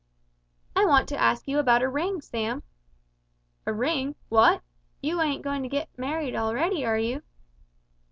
"I want to ask you about a ring, Sam." "A ring! What! you ain't goin' to get married already, are you?"